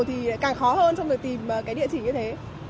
thì càng khó hơn trong người tìm cái địa chỉ như thế